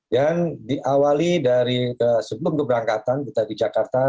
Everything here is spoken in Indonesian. yang diawali dari sebelum keberangkatan kita di jakarta